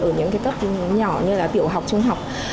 ở những cái cấp nhỏ như là tiểu học trung học